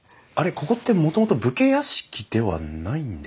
ここってもともと武家屋敷ではないんですか？